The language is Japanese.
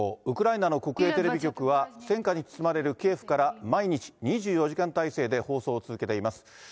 ウクライナの国営テレビ局は、戦火に包まれるキエフから、毎日２４時間体制で放送を続けています。